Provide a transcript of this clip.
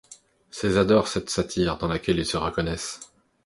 Ces adorent cette satire dans laquelle ils se reconnaissent.